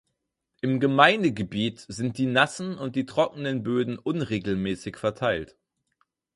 Im Gemeindegebiet sind die nassen und die trockenen Böden unregelmäßig verteilt.